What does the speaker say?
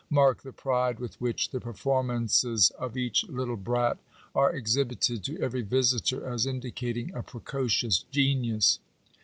Mark the pride with which the performances of each little brat are exhibited j to every visitor as indicating a precocious genius.